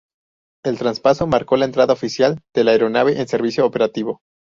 El traspaso marcó la entrada oficial de la aeronave en servicio operativo.